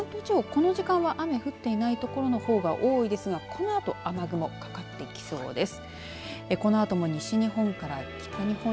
関東地方、この時間は雨が降っていない所のほうが多いですがこのあと雨雲、かかってきそうです。